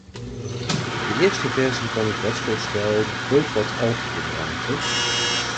De eerste versie van het wetsvoorstel bood wat al te veel ruimte.